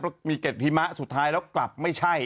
เพราะมีเกรดหิมะสุดท้ายแล้วกลับไม่ใช่